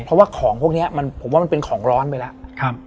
เพราะว่าของพวกนี้ผมว่ามันเป็นของร้อนไปแล้ว